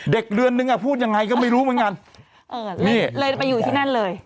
เดือนนึงอ่ะพูดยังไงก็ไม่รู้เหมือนกันเออนี่เลยไปอยู่ที่นั่นเลย